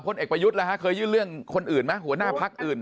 เอกประยุทธ์เคยยื่นเรื่องคนอื่นไหมหัวหน้าพักอื่น